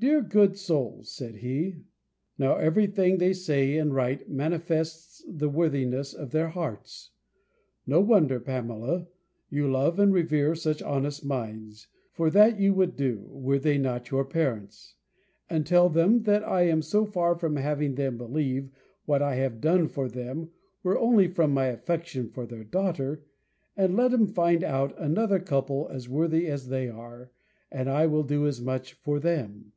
"Dear good souls!" said he, "now every thing they say and write manifests the worthiness of their hearts! No wonder, Pamela, you love and revere such honest minds; for that you would do, were they not your parents: and tell them, that I am so far from having them believe what I have done for them were only from my affection for their daughter, that let 'em find out another couple as worthy as they are, and I will do as much for them.